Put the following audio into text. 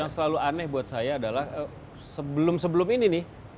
yang selalu aneh buat saya adalah sebelum sebelum ini nih